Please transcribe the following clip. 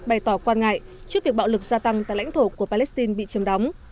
bày tỏ quan ngại trước việc bạo lực gia tăng tại lãnh thổ của palestine bị châm đóng